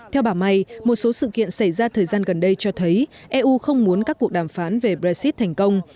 theo bà may một số sự kiện xảy ra thời gian gần đây cho thấy eu không muốn các cuộc đàm phán về brexit thành công